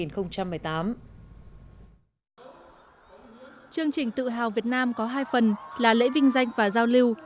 chương trình tự hào việt nam có hai phần là lễ vinh danh và giao lưu